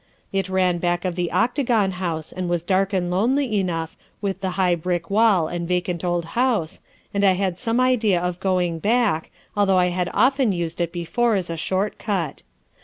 It ran back of the Octagon House and was dark and lonely enough, with the high brick wall and vacant old house, and I had some idea of going back, although I had often used it before as a short cut.